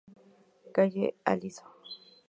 Calle Aliso.